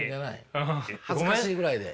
恥ずかしいぐらいで。